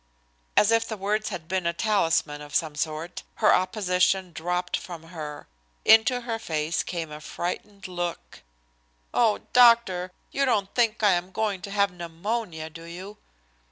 As if the words had been a talisman of some sort, her opposition dropped from her. Into her face came a frightened look. "Oh, doctor, you don't think I am going to have pneumonia, do you?"